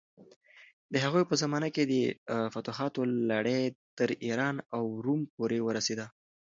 د هغوی په زمانه کې د فتوحاتو لړۍ تر ایران او روم پورې ورسېده.